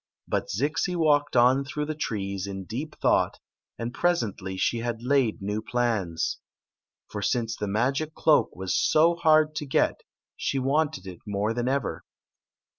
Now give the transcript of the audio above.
But Zixi walked on through the trees in deep thought, and presendy she had laid new plans. For since the magic cloak was so hard to get she wanted it more than ever.